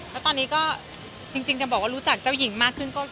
แล้วตอนนี้ก็จริงจะบอกว่ารู้จักเจ้าหญิงมากขึ้น